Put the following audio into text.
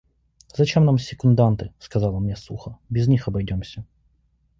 «Зачем нам секунданты, – сказал он мне сухо, – без них обойдемся».